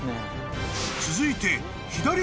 ［続いて］